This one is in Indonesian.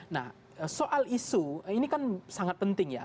nah soal isu ini kan sangat penting ya